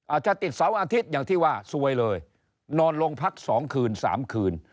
อาจจะติดเสาร์อาทิตย์ที่ว่านะสวยเลยนอนโรงพัก๒๓คืน